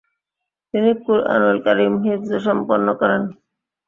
তিনি কুরআনুল কারীম হিফয সম্পন্ন করেন।